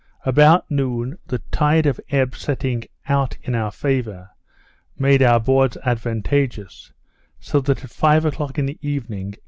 About noon the tide of ebb setting out in our favour, made our boards advantageous; so that, at five o'clock in the evening.